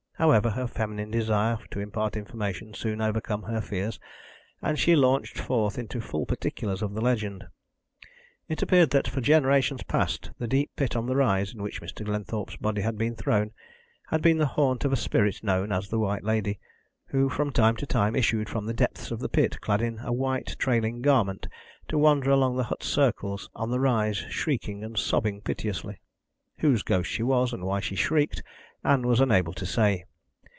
However, her feminine desire to impart information soon overcame her fears, and she launched forth into full particulars of the legend. It appeared that for generations past the deep pit on the rise in which Mr. Glenthorpe's body had been thrown had been the haunt of a spirit known as the White Lady, who, from time to time, issued from the depths of the pit, clad in a white trailing garment, to wander along the hut circles on the rise, shrieking and sobbing piteously. Whose ghost she was, and why she shrieked, Ann was unable to say.